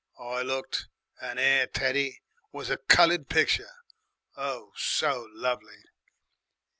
"I looked, and there, Teddy, was a cullud picture, oh, so lovely!